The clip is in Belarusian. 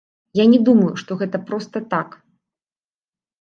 Я не думаю, што гэта проста так.